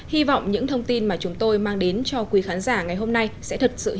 hy vọng những thông tin mà chúng tôi mang đến cho quý khán giả ngày hôm nay sẽ thật sự